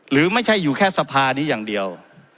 หรือไม่ใช่อยู่แค่สภานี้อย่างเดียว